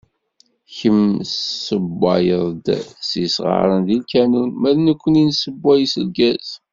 Kemm tessewwayeḍ s yisɣaren deg lkanun ma d nekni nessewway s lgaz.